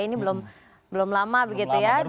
ini belum lama begitu ya